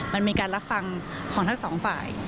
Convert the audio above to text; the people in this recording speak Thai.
มันมีการรับฟังของทั้งสองฝ่าย